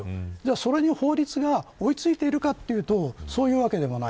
それに法律が追い付いているかというとそういうわけでもない。